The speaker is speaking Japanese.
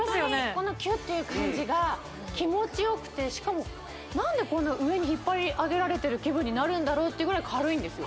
このキュッていう感じが気持ちよくてしかもなんでこんな上に引っ張り上げられてる気分になるんだろうっていうぐらい軽いんですよ